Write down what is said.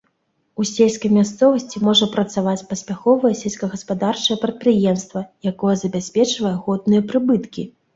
У сельскай мясцовасці можа працаваць паспяховае сельскагаспадарчае прадпрыемства, якое забяспечвае годныя прыбыткі.